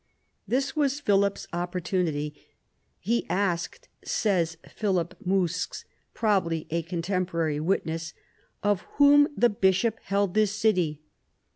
This was Philip's opportunity. He asked, says Philip Mouskes (pro bably a contemporary witness), of whom the bishop held the city.